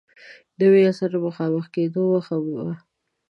نوي عصر مخامخ کېدو مخه و.